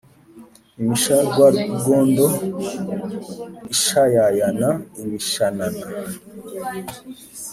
imisharwangondo ishayayana imishanana